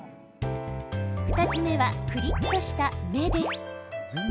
２つ目は、くりっとした目です。